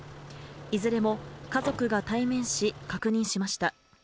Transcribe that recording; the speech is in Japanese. いずれも家族が対面し、確認しました。